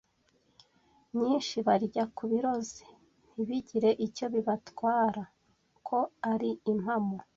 nyinshi, barya ku biroze ntibigire icyo bibatwara, ko ari impamo.